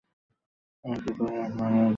আমি ছোটবেলায় আপনার একজন বড় ভক্ত ছিলাম।